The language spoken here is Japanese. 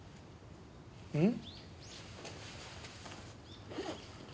うん？